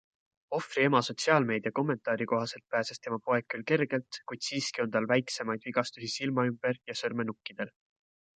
Ohvri ema sotsiaalmeedia kommentaari kohaselt pääses tema poeg küll kergelt, kuid siiski on tal väiksemaid vigastusi silma ümber ja sõrmenukkidel.